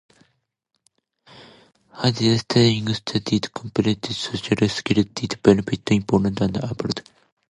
Her dissertation studied comparative social security benefits in Poland and abroad.